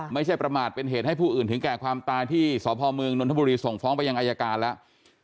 ไม่ใช่ประมาทเป็นเหตุให้ผู้อื่นถึงแก่ความตายที่สพเมืองนนทบุรีส่งฟ้องไปยังอายการแล้ว